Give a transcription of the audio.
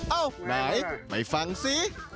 เอ้าไนค์ไปฟังสิ